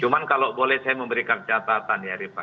cuma kalau boleh saya memberikan catatan ya ripa